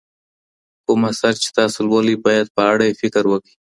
کوم اثر چي تاسو لولئ باید په اړه یې فکر وکړئ.